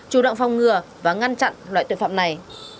chủ động phòng ngừa và ngăn chặn loại tội phạm này